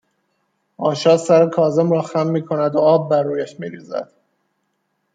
آشا سر کاظم را خم میکند و آب بر رویش میریزد